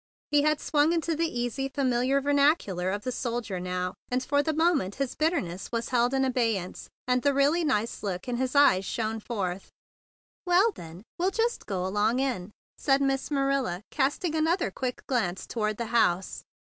He had swung into the easy, familiar vernacular of the soldier now; and for the moment his bitterness was held in abeyance, and the really nice look in his eyes shone forth. "Well, then, we'll just go along in," said Miss Marilla, casting another quick glance toward the house.